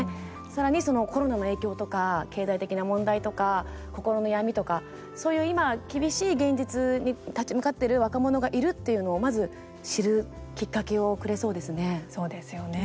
さらに、コロナの影響とか経済的な問題とか心の闇とかそういう今、厳しい現実に立ち向かってる若者がいるっていうのをまず知るきっかけをくれそうですね。